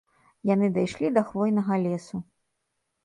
Яны дайшлі да хвойнага лесу.